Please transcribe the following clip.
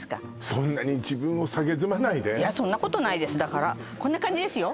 そんなに自分をさげすまないでいやそんなことないですだからこんな感じですよ